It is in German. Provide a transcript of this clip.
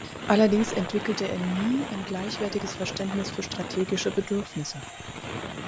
Allerdings entwickelte er nie ein gleichwertiges Verständnis für strategische Bedürfnisse.